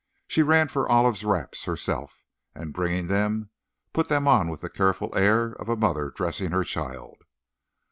She ran for Olive's wraps herself, and bringing them, put them on with the careful air of a mother dressing her child.